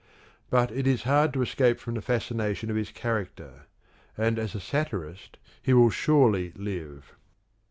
But it is hard to escape from the fascination of his character ; and as a satirist he will surely live.